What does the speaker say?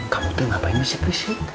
kamu tuh ngapain misik misik